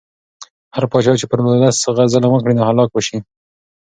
هر پاچا چې پر ولس ظلم وکړي نو هلاک به شي.